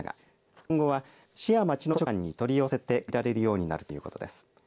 今後は市や町の図書館に取り寄せて借りられるようになるということです。